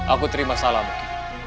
aku terima salam mekin